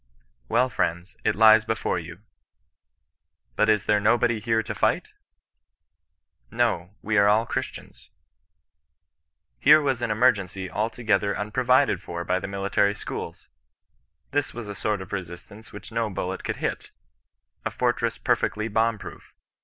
* Well, friends, it lies before you.' ' But is there nobody here to fight V ' No ; we are all Christians.' Here was an emergency altogether unprovided for b^ the military schools. This was a sort of resistance wmch no bullet could hit ; a fortress perfectly bomb proof.